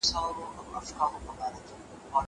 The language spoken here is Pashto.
مستي يې کله - کله ، په شباب کي نه ځايږي